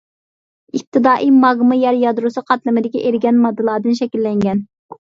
ئىپتىدائىي ماگما يەر يادروسى قاتلىمىدىكى ئېرىگەن ماددىلاردىن شەكىللەنگەن.